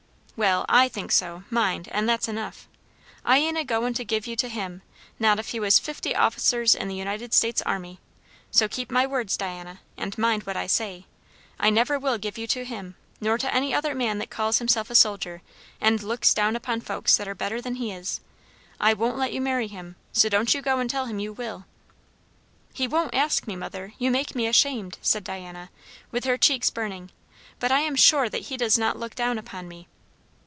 "Well, I think so, mind, and that's enough. I ain't a goin' to give you to him, not if he was fifty officers in the United States army. So keep my words, Diana, and mind what I say. I never will give you to him, nor to any other man that calls himself a soldier and looks down upon folks that are better than he is. I won't let you marry him; so don't you go and tell him you will." "He won't ask me, mother. You make me ashamed!" said Diana, with her cheeks burning; "but I am sure he does not look down upon me."